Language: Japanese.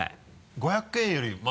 ５００円より。